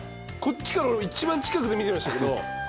こっちから俺一番近くで見てましたけど。